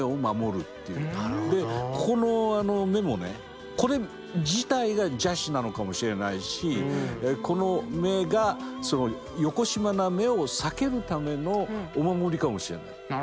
でここの目もねこれ自体が邪視なのかもしれないしこの目がよこしまな目を避けるためのお守りかもしれない。